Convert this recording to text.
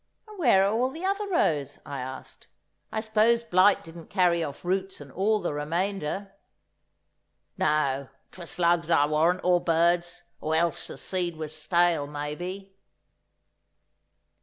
"And where are all the other rows," I asked; "I suppose blight didn't carry off roots and all of the remainder?" "No, 'twere slugs, I warrant, or birds, or else the seed were stale, maybe."